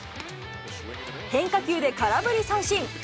変化球で空振り三振。